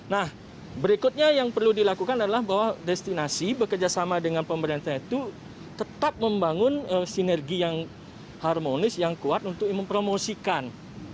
nah berikutnya yang perlu dilakukan adalah bahwa destinasi bekerjasama dengan pemerintah itu tetap membangun sinergi yang harmonis yang kuat untuk mempromosikan